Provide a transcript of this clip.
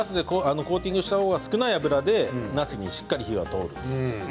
コーティングした方が少ない油でなすにしっかり火が通る。